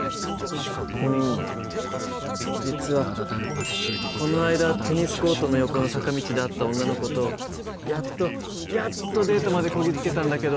うん実はこの間テニスコートの横の坂道で会った女の子とやっとやっとデートまでこぎ着けたんだけど。